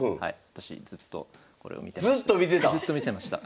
私ずっとこれを見てました。